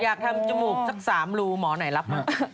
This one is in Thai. อยากทำจมูกสัก๓รูหมอไหนรับมา